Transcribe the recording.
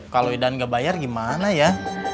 kalau idan nggak bayar gimana ya